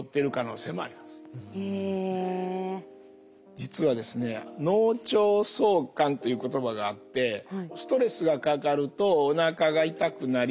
実はですねという言葉があってストレスがかかるとおなかが痛くなり